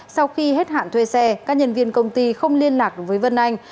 sau khi hết hạn thuê xe các nhân viên công ty không liên lạc với vân anh